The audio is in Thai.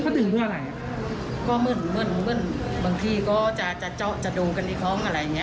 พะตึงเพื่ออะไรอ่ะก็เหมือนเหมือนเหมือนบางทีก็จะจะเจาะจะดูกันอีกครั้งอะไรอย่างเงี้ย